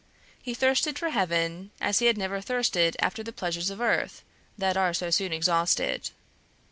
He thirsted for heaven as he had never thirsted after the pleasures of earth, that are so soon exhausted.